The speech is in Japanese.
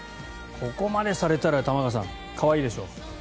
ここまでされたら、玉川さん可愛いでしょう。